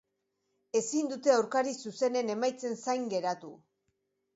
Ezin dute aurkari zuzenen emaitzen zain geratu.